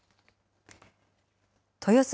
豊洲